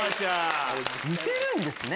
似てるんですね。